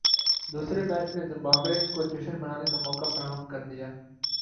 دوسرے میچ میں زمبابوے کو جشن منانے کا موقع فراہم کردیا